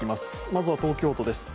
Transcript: まずは東京都です。